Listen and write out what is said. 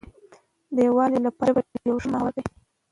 د یووالي لپاره ژبه یو ښه محور دی.